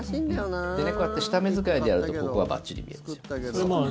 こうやって下目遣いでやるとここがばっちり見えるんですよ。